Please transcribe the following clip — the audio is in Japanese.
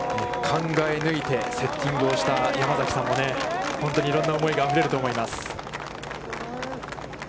考え抜いてセッティングをした山崎さんもね、本当にいろんな思いがあふれると思います。